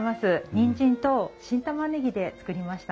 にんじんと新玉ねぎで作りました。